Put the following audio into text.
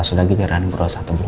pas sudah giliran berus atau belum